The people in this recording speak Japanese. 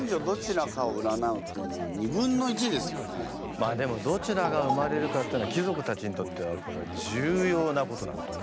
まあでもどちらが生まれるかっていうのは貴族たちにとってはこれは重要なことだったから。